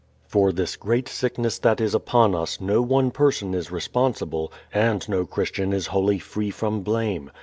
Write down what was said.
For this great sickness that is upon us no one person is responsible, and no Christian is wholly free from blame.